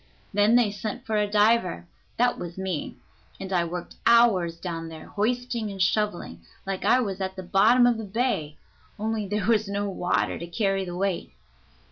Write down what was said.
Then they sent for a diver that was me and I worked hours down there hoisting and shoveling, like I was at the bottom of the bay, only there was no water to carry the weight.